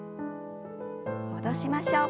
戻しましょう。